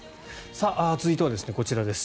続いてはこちらです。